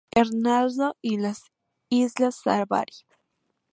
Hernando y las islas Savary.